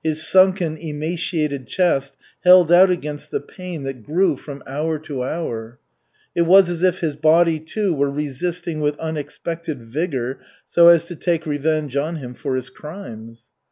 His sunken, emaciated chest held out against the pain that grew from hour to hour. It was as if his body too were resisting with unexpected vigor so as to take revenge on him for his crimes.